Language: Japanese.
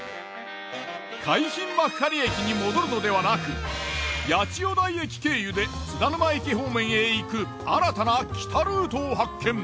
海浜幕張駅に戻るのではなく八千代台駅経由で津田沼駅方面へ行く新たな北ルートを発見。